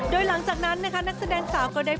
โดยหลังจากนั้นนะคะนักแสดงสาวก็ได้